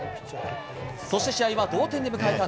そして試合は同点で迎えた